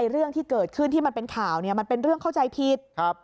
เรื่องที่เกิดขึ้นที่มันเป็นข่าวมันเป็นเรื่องเข้าใจผิด